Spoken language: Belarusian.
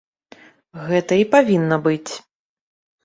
Гэта і павінна быць.